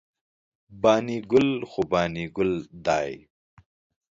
بانی ګل خو بانی ګل داي